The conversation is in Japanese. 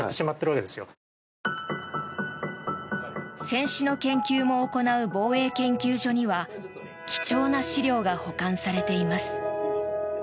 戦史の研究も行う防衛研究所には貴重な資料が保管されています。